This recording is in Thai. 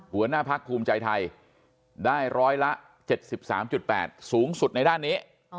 หัวหน้าพักภูมิใจไทยได้ร้อยละ๗๓๘สูงสุดในด้านนี้